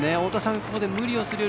ここで無理をするより